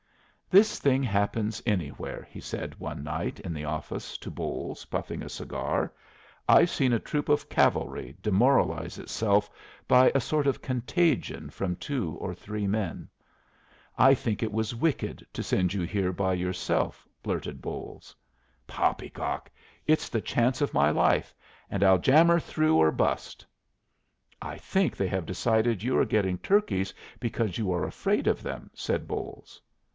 "This thing happens anywhere," he said one night in the office to Bolles, puffing a cigar. "I've seen a troop of cavalry demoralize itself by a sort of contagion from two or three men." "I think it was wicked to send you here by yourself," blurted Bolles. "Poppycock! It's the chance of my life, and I'll jam her through or bust." "I think they have decided you are getting turkeys because you are afraid of them," said Bolles.